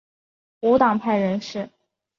无党派人士。